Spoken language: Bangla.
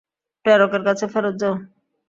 প্রেরকের কাছে ফেরত যাও।